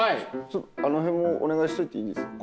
ちょっとあの辺もお願いしといていいですか？